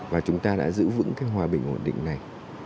và chúng ta đã giữ vững cái hòa bình ổn định này